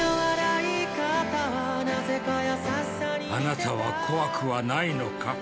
あなたは怖くはないのか？